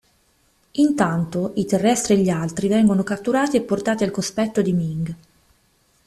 Intanto, i terrestri e gli altri vengono catturati e portati al cospetto di Ming.